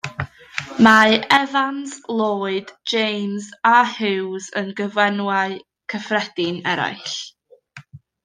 Mae Evans, Lloyd, James a Hughes yn gyfenwau cyffredin eraill.